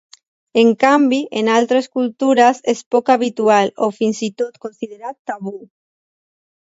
En canvi, en altres cultures és poc habitual o fins i tot considerat tabú.